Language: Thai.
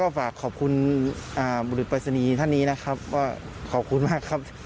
ฝากขอบคุณบุรุษปรายศนีย์ท่านนี้นะครับว่าขอบคุณมากครับ